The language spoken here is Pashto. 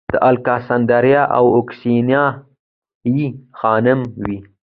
د الکسندریه اوکسیانا ای خانم و